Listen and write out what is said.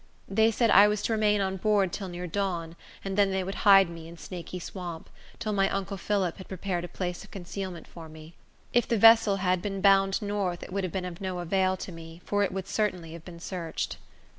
They said I was to remain on board till near dawn, and then they would hide me in Snaky Swamp, till my uncle Phillip had prepared a place of concealment for me. If the vessel had been bound north, it would have been of no avail to me, for it would certainly have been searched.